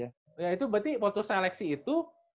ya itu berarti putus seleksi itu